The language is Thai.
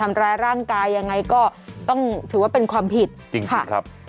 ทำร้ายร่างกายยังไงก็ต้องถือว่าเป็นความผิดจริงค่ะครับ